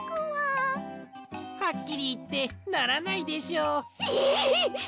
はっきりいってならないでしょう。え！？